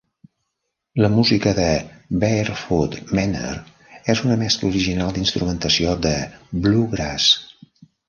La música de Barefoot Manner és una mescla original d'instrumentació de Bluegrass.